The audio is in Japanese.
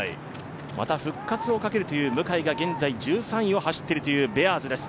また復活をかけるという向井が現在１３位を走っているというベアーズです。